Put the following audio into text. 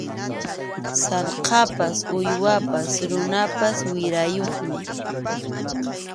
Sallqapas uywapas runapas wirayuqmi.